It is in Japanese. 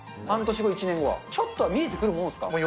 半年後、１年後はちょっと見えてくるものですか？